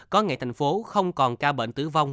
có ngày thành phố không còn ca bệnh tử vong